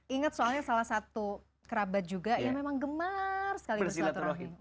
ingat soalnya salah satu kerabat juga yang memang gemar sekali bersilaturahmi